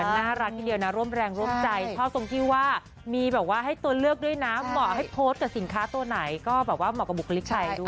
น่ารักทีเดียวนะร่วมแรงร่วมใจชอบตรงที่ว่ามีแบบว่าให้ตัวเลือกด้วยนะเหมาะให้โพสต์กับสินค้าตัวไหนก็แบบว่าเหมาะกับบุคลิกชัยด้วย